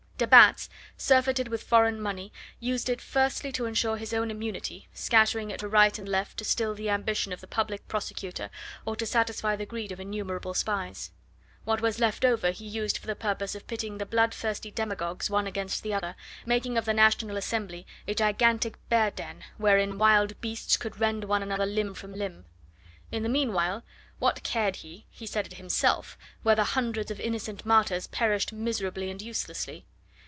De Batz, surfeited with foreign money, used it firstly to ensure his own immunity, scattering it to right and left to still the ambition of the Public Prosecutor or to satisfy the greed of innumerable spies. What was left over he used for the purpose of pitting the bloodthirsty demagogues one against the other, making of the National Assembly a gigantic bear den, wherein wild beasts could rend one another limb from limb. In the meanwhile, what cared he he said it himself whether hundreds of innocent martyrs perished miserably and uselessly?